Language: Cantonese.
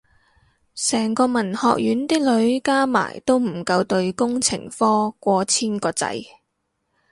成個文學院啲女加埋都唔夠對工程科過千個仔